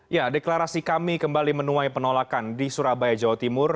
ya deklarasi kami kembali menuai penolakan di surabaya jawa timur